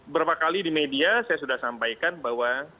berapa kali di media saya sudah sampaikan bahwa